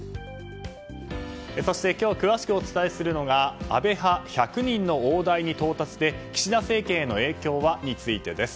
そして今日詳しくお伝えするのが安倍派１００人の大台に到達で岸田政権への影響は？についてです。